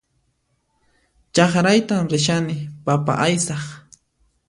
Chakraytan rishani papa aysaq